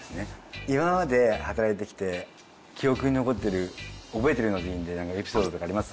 今まで働いてきて記憶に残ってる覚えてるのでいいんでなんかエピソードとかあります？